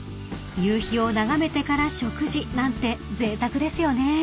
［夕日を眺めてから食事なんてぜいたくですよね］